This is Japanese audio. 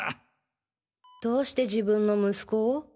どうして自分の息子を？